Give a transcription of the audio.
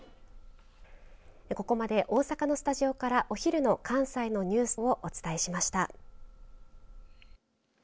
ここまで大阪のスタジオからお昼の関西のニュースをお伝えしました。